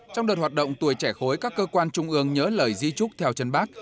trong đợt hoạt động tuổi trẻ khối các cơ quan trung ương nhớ lời di trúc theo chân bác